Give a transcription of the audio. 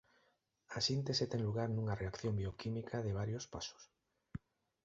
A síntese ten lugar nunha reacción bioquímica de varios pasos.